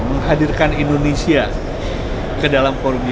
menghadirkan indonesia ke dalam forum g dua puluh